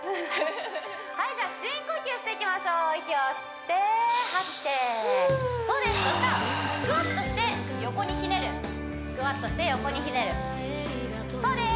はいじゃあ深呼吸していきましょう息を吸って吐いてそうですそしたらスクワットして横にひねるスクワットして横にひねるそうです